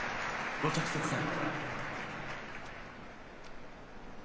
ご着席ください。